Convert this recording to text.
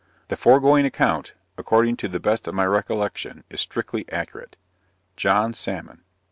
The foregoing account, according to the best of my recollection is strictly correct. JOHN SALMON.